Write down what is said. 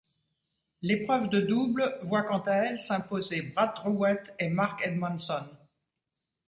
L'épreuve de double voit quant à elle s'imposer Brad Drewett et Mark Edmondson.